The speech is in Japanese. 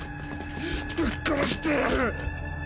ブッ殺してやる！